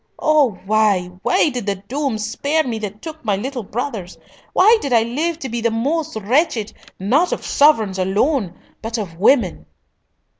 Oh, why, why did the doom spare me that took my little brothers? Why did I live to be the most wretched, not of sovereigns alone, but of women?"